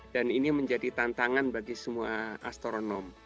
dan ini menjadi tantangan bagi semua astronom